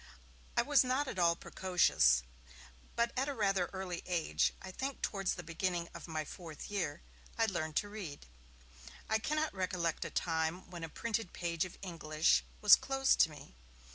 I was not at all precocious, but at a rather early age, I think towards the beginning of my fourth year, I learned to read. I cannot recollect a time when a printed page of English was closed to me.